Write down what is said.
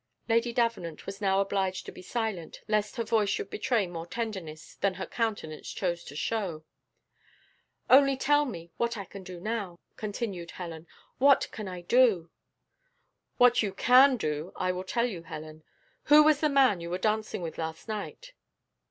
Lady Davenant was now obliged to be silent, lest her voice should betray more tenderness than her countenance chose to show. "Only tell me what I can do now," continued Helen; "what can I do?" "What you CAN do, I will tell you, Helen. Who was the man you were dancing with last night?"